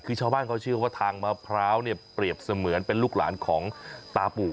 คือชาวบ้านเขาเชื่อว่าทางมะพร้าวเนี่ยเปรียบเสมือนเป็นลูกหลานของตาปู่